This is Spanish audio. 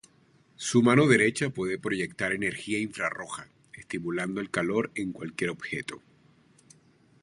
Su mano derecha puede proyectar energía infrarroja, estimulando el calor en cualquier objeto.